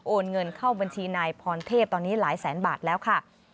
เงินเข้าบัญชีนายพรเทพตอนนี้หลายแสนบาทแล้วค่ะ